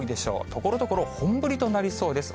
ところどころ、本降りとなりそうです。